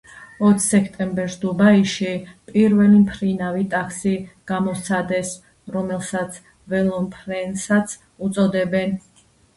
ოც სექტემბერს დუბაიში პირველი მფრინავი ტაქსი გამოსცადეს, რომელსაც ველომფრენსაც უწოდებენ.